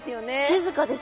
静かです。